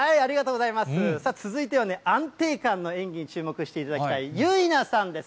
続いては安定感の演技に注目していただきたい結菜さんです。